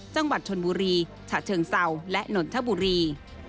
จังหวัดชนบุรีฉะเชิงเศร้าและนนทบุรี